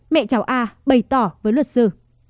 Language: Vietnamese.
mẹ cháu a bày tỏ với luật sư